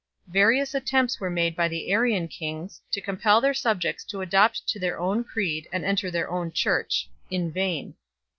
Various attempts were made by the Arian kings to compel their subjects to adopt their own creed and enter their own Church in vain.